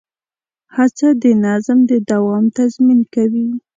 هڅه د نظم د دوام تضمین کوي.